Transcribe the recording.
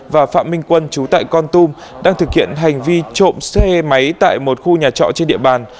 và phạm minh quân chú tại con tum đang thực hiện hành vi trộm xe máy tại một khu nhà trọ trên địa bàn